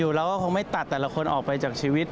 เราก็คงไม่ตัดแต่ละคนออกไปจากชีวิต